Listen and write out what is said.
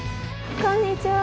こんにちは。